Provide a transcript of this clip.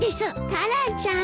タラちゃん。